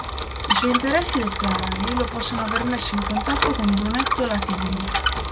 I suoi interessi letterari lo possono aver messo in contatto con Brunetto Latini.